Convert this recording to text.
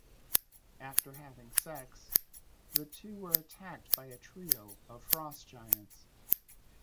After having sex, the two were attacked by a trio of Frost Giants.